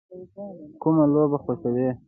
کومه لوبه خوښوئ؟